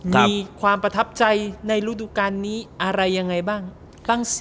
มีความประทับใจในฤดูการนี้อะไรยังไงบ้างสิ